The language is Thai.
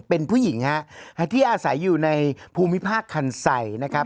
เป็นผู้หญิงฮะที่อาศัยอยู่ในภูมิภาคคันไซนะครับ